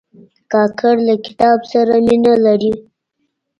کاکړ له کتاب سره مینه لري.